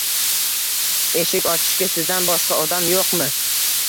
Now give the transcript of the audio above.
Eshik ochishga sizdan boshqa odam yo‘qmi?